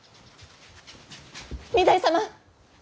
御台様！